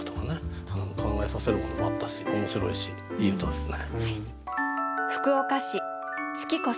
考えさせるものもあったし面白いしいい歌ですね。